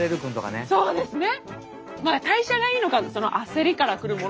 そうですね。